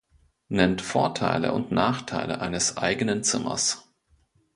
Nennt Vorteile und Nachteile eines eigenen Zimmers.